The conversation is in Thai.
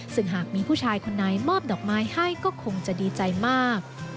ซึ่งหากมีผู้ชายคนไหนมอบดอกไม้ให้ก็คงจะดีใจมาก